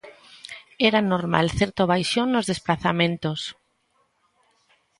Era normal certo baixón nos desprazamentos.